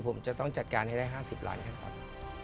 ผมจะต้องจัดการให้ได้๕๐ล้านขั้นตอน